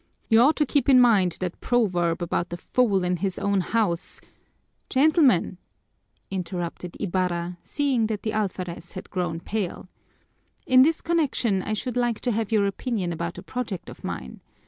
You ought to keep in mind that proverb about the fool in his own house " "Gentlemen!" interrupted Ibarra, seeing that the alferez had grown pale. "In this connection I should like to have your opinion about a project of mine.